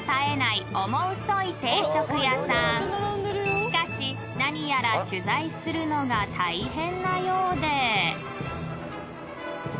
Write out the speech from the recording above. ［しかし何やら取材するのが大変なようで］